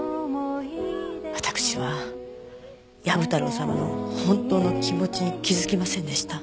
わたくしはヤブ太郎様の本当の気持ちに気づきませんでした。